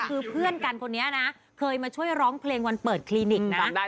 คือเพื่อนกันคนนี้นะเคยมาช่วยร้องเพลงวันเปิดคลินิกนะ